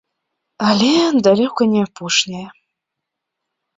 Але далёка не апошняе.